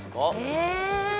え